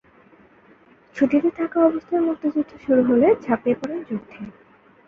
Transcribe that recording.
ছুটিতে থাকা অবস্থায় মুক্তিযুদ্ধ শুরু হলে ঝাঁপিয়ে পড়েন যুদ্ধে।